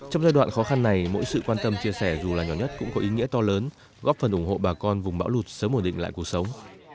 trong giai đoạn khó khăn này mỗi sự quan tâm chia sẻ dù là nhỏ nhất cũng có ý nghĩa to lớn góp phần ủng hộ bà con vùng bão lụt sớm ổn định lại cuộc sống